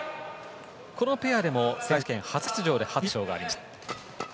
このペアでも世界選手権初出場で初優勝がありました。